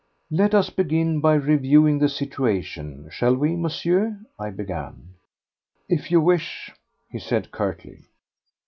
"Let us begin by reviewing the situation, shall we, Monsieur?" I began. "If you wish," he said curtly.